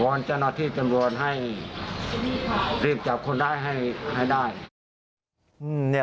อนเจ้าหน้าที่จำรวจให้รีบจับคนร้ายให้ได้